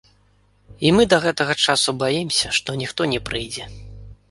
І мы да гэтага часу баімся, што ніхто не прыйдзе.